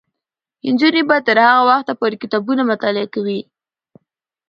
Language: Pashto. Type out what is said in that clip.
نجونې به تر هغه وخته پورې کتابونه مطالعه کوي.